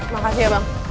makasih ya bang